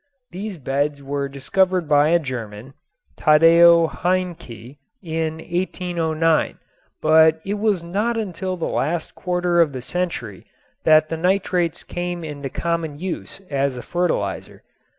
These beds were discovered by a German, Taddeo Haenke, in 1809, but it was not until the last quarter of the century that the nitrates came into common use as a fertilizer.